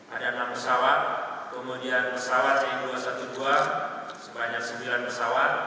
ada enam pesawat kemudian pesawat c dua ratus dua belas sebanyak sembilan pesawat